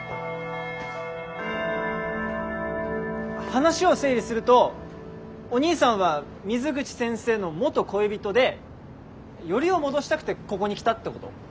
話を整理するとおにいさんは水口先生の元恋人でよりを戻したくてここに来たってこと？